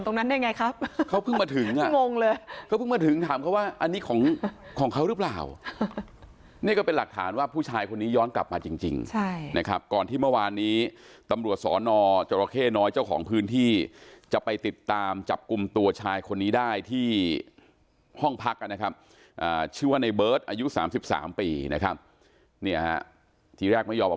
โทรศัพท์นี่โทรศัพท์นี่โทรศัพท์นี่โทรศัพท์นี่โทรศัพท์นี่โทรศัพท์นี่โทรศัพท์นี่โทรศัพท์นี่โทรศัพท์นี่โทรศัพท์นี่โทรศัพท์นี่โทรศัพท์นี่โทรศัพท์นี่โทรศัพท์นี่โทรศัพท์นี่โทรศัพท์นี่โทรศัพท์นี่โทรศัพท์นี่โทรศ